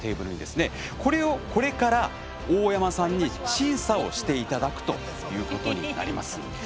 これを、これから大山さんに審査していただくことになります。